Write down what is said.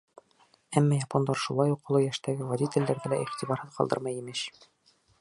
Әммә япондар шулай уҡ оло йәштәге водителдәрҙе лә иғтибарһыҙ ҡалдырмай, имеш.